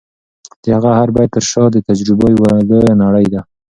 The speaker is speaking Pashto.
د هغه د هر بیت تر شا د تجربو یوه لویه نړۍ ده.